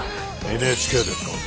ＮＨＫですからね。